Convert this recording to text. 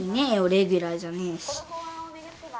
レギュラーじゃねえし。